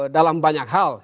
dalam banyak hal